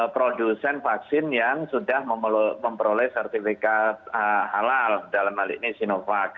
produsen vaksin yang sudah memperoleh sertifikat halal dalam hal ini sinovac